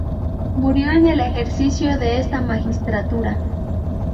Murió en el ejercicio de esta magistratura.